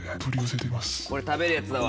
これ食べるやつだわ。